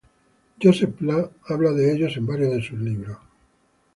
Josep Pla habla de ellos en varios de sus libros.